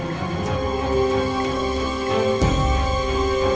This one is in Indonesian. aku akan kembali ke rumah